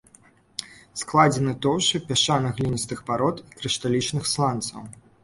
Складзены тоўшчай пясчана-гліністых парод і крышталічных сланцаў.